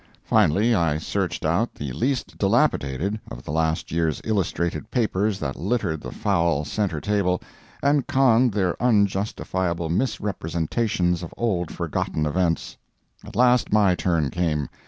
Finally, I searched out the least dilapidated of the last year's illustrated papers that littered the foul centre table, and conned their unjustifiable misrepresentations of old forgotten events. At last my turn came.